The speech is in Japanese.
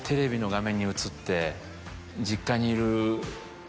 実家にいる。